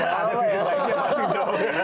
ada sisi lagi